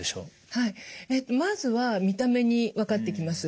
はいまずは見た目に分かってきます。